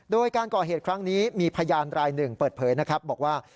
โดยการก่อเหตุครั้งนี้มีพยานรายหนึ่งเปิดเผยนะครับบอกว่า